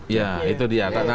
ya itu dia